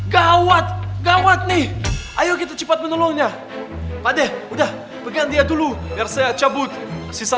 gawat gawat nih ayo kita cepat menolongnya podeh udah pegar dia dulu misi mengacabut sisa